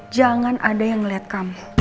jangan ada yang melihat kamu